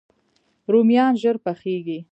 رومیان ژر پخیږي